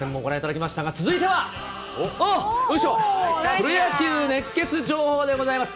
プロ野球熱ケツ情報でございます。